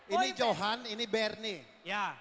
ini johan ini bernie